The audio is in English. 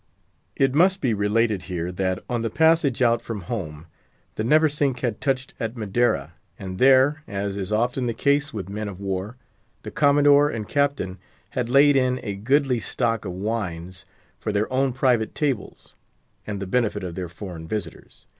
It must be related here that, on the passage out from home, the Neversink had touched at Madeira; and there, as is often the case with men of war, the Commodore and Captain had laid in a goodly stock of wines for their own private tables, and the benefit of their foreign visitors.